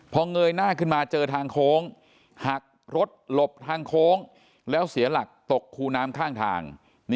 พอเงยหน้าขึ้นมาเจอทางโค้งหักรถหลบทางโค้งแล้วเสียหลักตกคูน้ำข้างทาง